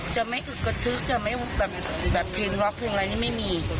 จะไม่อึกกระทึกจะไม่แบบเพลงว็อกเพลงอะไรนี่ไม่มี